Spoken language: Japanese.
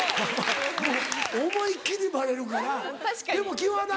もう思いっ切りバレるからでも気は楽。